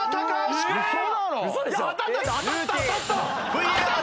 ＶＡＲ。